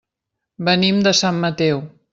Venim de Sant Mateu.